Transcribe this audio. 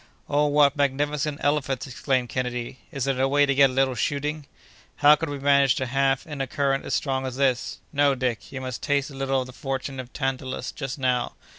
"Oh, what magnificent elephants!" exclaimed Kennedy. "Is there no way to get a little shooting?" "How could we manage to halt in a current as strong as this? No, Dick; you must taste a little of the torture of Tantalus just now.